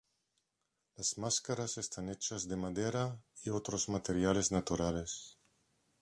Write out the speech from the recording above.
Las máscaras están hechas de madera y otros materiales naturales.